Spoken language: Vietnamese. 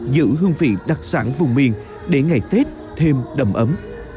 giữ hương vị đặc sản vùng miền để ngày tết thêm đầm ấm